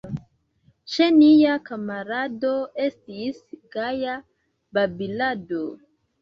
Ĉe nia kamarado Estis gaja babilado!